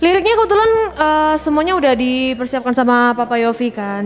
liriknya kebetulan semuanya udah dipersiapkan sama papa yofi kan